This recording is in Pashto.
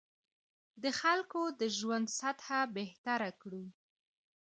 د خلکو د ژوند سطح بهتره کړو.